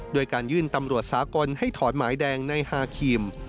ด้วยการยื่นตำรวจสากลให้ถอนหมายแดงในฮาครีม